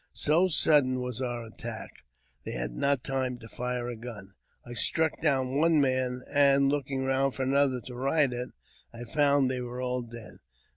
So sudden was our attack, they had not time to fire a gun. I struck down one man, and, looking round for another to ride at, I found they were all dead.